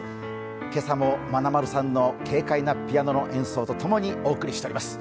今朝もまなまるさんの軽快なピアノの演奏とともにお送りしています。